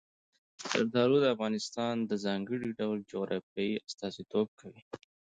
زردالو د افغانستان د ځانګړي ډول جغرافیې استازیتوب کوي.